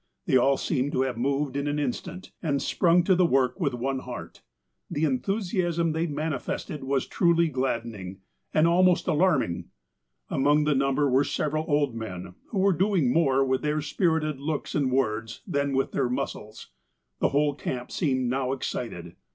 They all seemed to have moved in an instant, and sprung to the work with one heart. The enthusiasm they manifested was truly gladdening, and almost alarming. Among the number were several old men, who were doing more with their spirited looks and words than with their muscles. The whole camp seemed now excited.